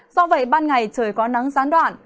do vậy ban ngày trời có nắng gián đoạn